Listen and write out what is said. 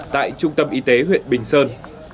tại trung tâm y tế huyện bình sơn